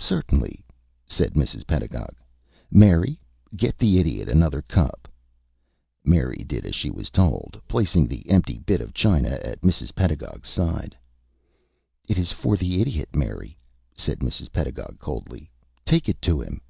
"Certainly," said Mrs. Pedagog. "Mary, get the Idiot another cup." Mary did as she was told, placing the empty bit of china at Mrs. Pedagog's side. "It is for the Idiot, Mary," said Mrs. Pedagog, coldly. "Take it to him."